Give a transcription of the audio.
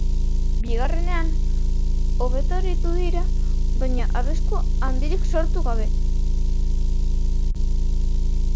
Bigarrenean, hobeto aritu dira, baina arrisku handirik sortu gabe.